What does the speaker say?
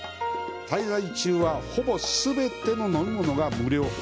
滞在中は、ほぼ全ての飲み物が無料。